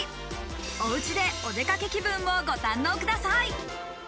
お家でお出かけ気分をご堪能ください。